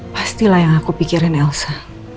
pastilah yang aku pikirin elsa